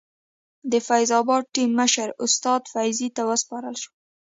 د فیض اباد ټیم مشر استاد فیضي ته وسپارل شوه.